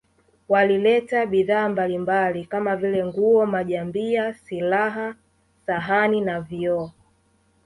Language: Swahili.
Walileta bidhaa mbalimbali kama vile nguo majambia silaha sahani na vioo